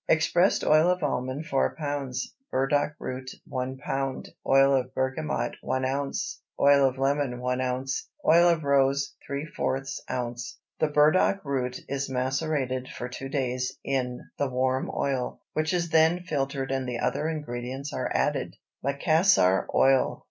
Expressed oil of almond 4 lb. Burdock root 1 lb. Oil of bergamot 1 oz. Oil of lemon 1 oz. Oil of rose ¾ oz. The burdock root is macerated for two days in the warm oil, which is then filtered and the other ingredients are added. MACASSAR OIL.